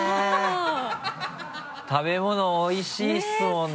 食べ物おいしいですもんね。